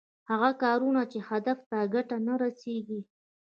هغه کارونه چې هدف ته ګټه نه رسېږي.